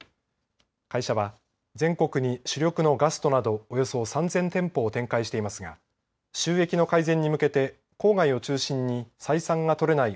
会社は全国に主力のガストなどおよそ３０００店舗を展開していますが収益の改善に向けて郊外を中心に採算が取れない